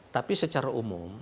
tapi secara umum